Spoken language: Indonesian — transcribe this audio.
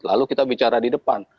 lalu kita bicara di depan